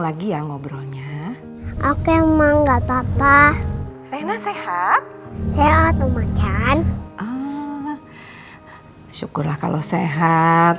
lagi ya ngobrolnya oke emang nggak papa rina sehat sehat makan syukurlah kalau sehat